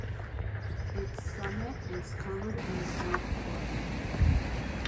Its summit is covered in a golf course.